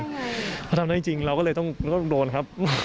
ถ้าทำได้จริงเราก็เลยต้องโดนครับ